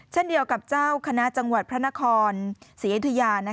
เช่นเดียวกับเจ้าคณะจังหวัดพระนครศรีอยุธยา